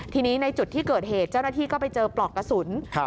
ทีนี้ในจุดที่เกิดเหตุเจ้าหน้าที่ก็ไปเจอปลอกกระสุน